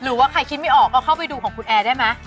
หรือว่าใครคิดไม่ออกก็เข้าไปดูของคุณแอร์ได้ไหม